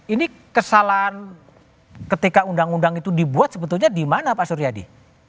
ini kesalahan ketika undang undang itu dibuat sebetulnya di mana pak suryadi